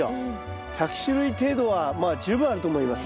１００種類程度はまあ十分あると思います。